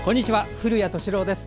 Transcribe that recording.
古谷敏郎です。